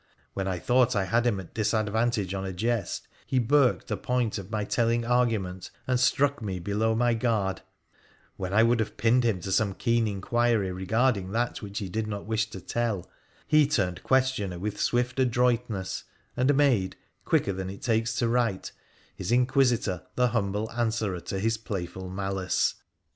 When I thought I had him at disadvantage on a jest, he burked the point of my telling argument, and struck me below my guard; when I would have pinned him to some keen inquiry regarding that which he did not wish to tell, he turned questioner with swift adroitness, and made — quicker than it takes to write — his inquisitor the humble answerer to his playful malice.